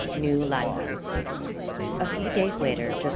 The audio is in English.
NEW LIGHTS. A few days later 'Jos.